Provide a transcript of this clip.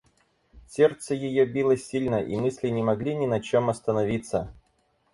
Сердце ее билось сильно, и мысли не могли ни на чем остановиться.